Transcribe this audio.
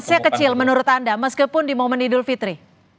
usia kecil menurut anda meskipun di momen idul fitri